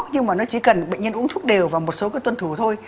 nhưng mà nó chỉ cần bệnh nhân uống thuốc đều và một số cứ tuân thủ thôi